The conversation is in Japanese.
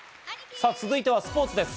続いてはスポーツです。